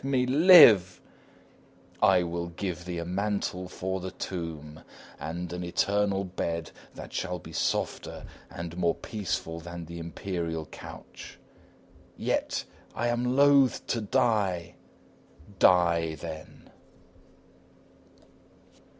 let me live! DEATH. I will give thee a mantle for the tomb, and an eternal bed that shall be softer and more peaceful than the Imperial couch. NERO. Yet, I am loth to die. DEATH. Die, then!